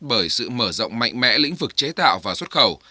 bởi sự mở rộng mạnh mẽ lĩnh vực chế tạo và xuất khẩu